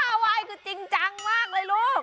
แล้วถ่าวายคือจริงจังมากเลยลูก